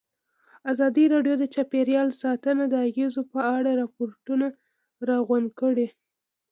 ازادي راډیو د چاپیریال ساتنه د اغېزو په اړه ریپوټونه راغونډ کړي.